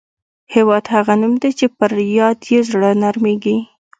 هېواد هغه نوم دی چې پر یاد یې زړه نرميږي.